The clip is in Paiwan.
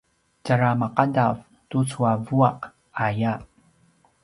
tjara maqadav tucu a vuaq aya